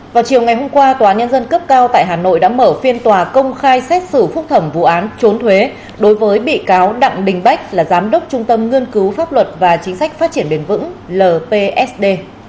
vào chiều ngày hôm qua tòa án nhân dân cấp cao tại hà nội đã mở phiên tòa công khai xét xử phúc thẩm vụ án trốn thuế đối với bị cáo đặng đình bách là giám đốc trung tâm nghiên cứu pháp luật và chính sách phát triển bền vững lpsd